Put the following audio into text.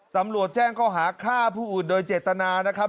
ตำรวจแจ้งข้อหาฆ่าผู้อื่นโดยเจตนานะครับ